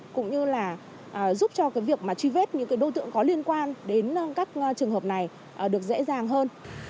cũng như là giúp cho cái việc mà truy vết những đối tượng có liên quan đến các trường hợp này được dễ dàng hơn